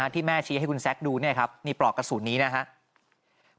ที่แม่ชี้ให้คุณแซคดูเนี่ยครับนี่ปลอกกระสุนนี้นะครับ